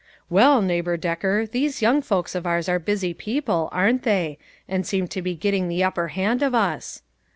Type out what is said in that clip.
"Well, Neighbor Decker, these young folks of ours are busy people, ain't they, and seem to be getting the upper hand of us?"